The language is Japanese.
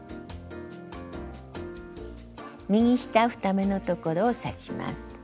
右下２目のところを刺します。